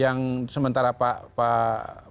yang sementara pak jokowi itu hanya lima bulan